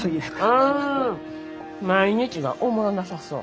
ああ毎日がおもろなさそう。